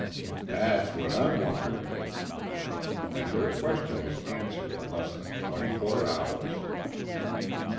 "That's what I'm wondering." And their question was answered in less than twenty four hours.